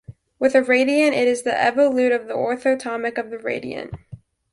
With a radiant, it is the evolute of the orthotomic of the radiant.